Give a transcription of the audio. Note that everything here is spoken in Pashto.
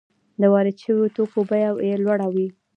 د وارد شویو توکو بیه یې لوړه وي